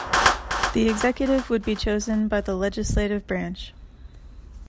The executive would be chosen by the legislative branch.